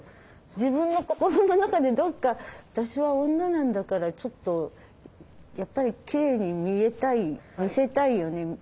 自分の心の中でどっか「私は女なんだからちょっとやっぱりきれいに見えたい見せたいよね